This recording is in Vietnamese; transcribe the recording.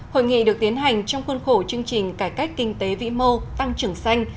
hội nghị được tiến hành trong khuôn khổ chương trình cải cách kinh tế vĩ mô tăng trưởng xanh